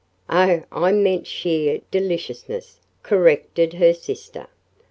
"Oh, I meant sheer deliciousness," corrected her sister.